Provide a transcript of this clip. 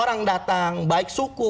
orang datang baik suku